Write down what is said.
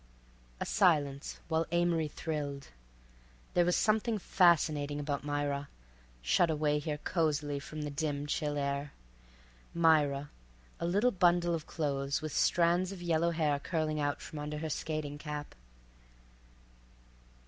A silence, while Amory thrilled. There was something fascinating about Myra, shut away here cosily from the dim, chill air. Myra, a little bundle of clothes, with strands of yellow hair curling out from under her skating cap.